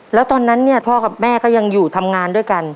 แล้วตอนนั้นเนี่ยพ่อกับแม่ก็ยังอยู่ทำงานด้วยกัน